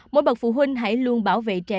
mỗi bậc phụ huynh hãy luôn bảo vệ trẻ